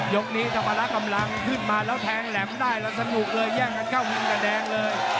ยกนี้ธรรมระกำลังขึ้นมาแล้วแทงแหลมได้แล้วสนุกเลยแย่งกันเข้ามุมกับแดงเลย